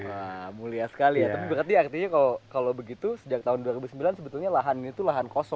nah mulia sekali ya tapi berarti artinya kalau begitu sejak tahun dua ribu sembilan sebetulnya lahan ini tuh lahan kosong